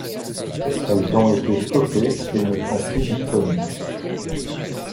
Elles ont été stoppées et ne sont plus disponibles.